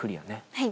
はい。